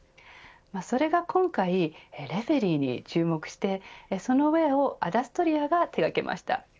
それが今回レフェリーに注目してそのウエアをアダストリアが手掛けました。